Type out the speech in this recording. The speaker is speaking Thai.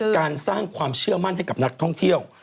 การสร้างความเชื่อมั่นให้กับนักท่องเที่ยว